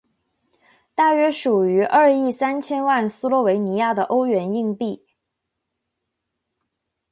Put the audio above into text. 大约属于二亿三千万斯洛维尼亚的欧元硬币。